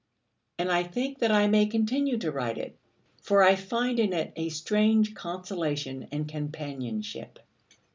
And I think that I may continue to write it, for I find in it a strange consolation, and companionship.